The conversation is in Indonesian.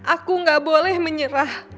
aku gak boleh menyerah